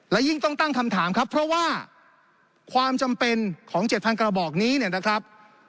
และยิ่งต้องตั้งคำถามครับเพราะว่าความจำเป็นของ๗๐๐กระบอกนี้เนี่ยนะครับ